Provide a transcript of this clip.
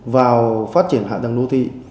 vào phát triển hạ tầng đô thị